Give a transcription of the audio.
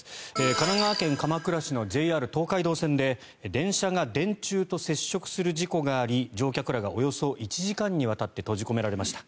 神奈川県鎌倉市のＪＲ東海道線で電車が電柱と接触する事故があり乗客らがおよそ１時間にわたって閉じ込められました。